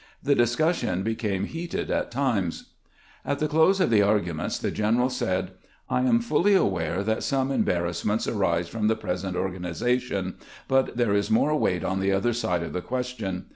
The discussion became heated at times. At the close of the arguments the general said :" I am GEANT AND MEADE 115 fully aware that some embarrassments arise from tlie present organization, but there is more weight on the other side of the question.